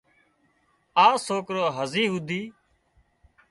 اِ سوڪرو هزي هوڌي